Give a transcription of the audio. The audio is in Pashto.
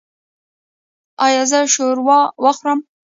ایا زه شوروا وخورم؟